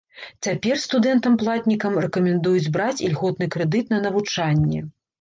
Цяпер студэнтам-платнікам рэкамендуюць браць ільготны крэдыт на навучанне.